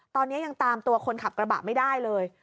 ตอนนี้ยังตามตัวคนขับกระบะไม่ได้เลย